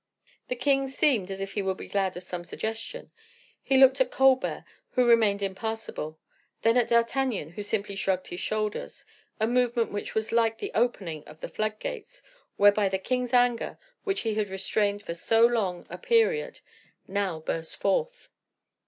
The king seemed as if he would be glad of some suggestion; he looked at Colbert, who remained impassible; then at D'Artagnan, who simply shrugged his shoulders, a movement which was like the opening of the flood gates, whereby the king's anger, which he had restrained for so long a period, now burst forth.